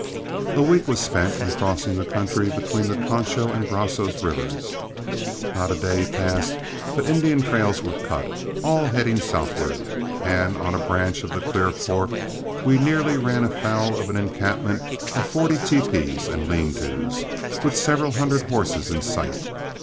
A week was spent in crossing the country between the Concho and Brazos rivers. Not a day passed but Indian trails were cut, all heading southward, and on a branch of the Clear Fork we nearly ran afoul of an encampment of forty teepees and lean tos, with several hundred horses in sight.